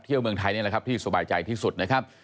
เมืองไทยนี่แหละครับที่สบายใจที่สุดนะครับ